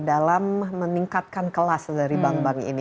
dalam meningkatkan kelas dari bank bank ini